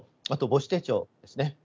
あと母子手帳ですね。